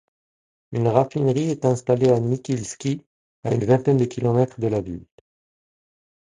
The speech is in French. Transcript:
Une raffinerie est installée à Nikilski, à une vingtaine de kilomètres de la ville.